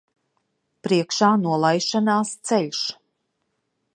Priekšā nolaišanās ceļš.